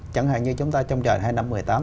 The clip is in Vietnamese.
chẳng hạn như chúng ta trong trời hai năm